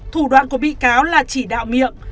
thủ đoạn của bị cáo là chỉ đạo miệng